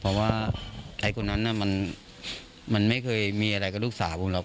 เพราะว่าไอ้คนนั้นมันไม่เคยมีอะไรกับลูกสาวผมหรอก